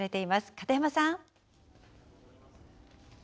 片山さん。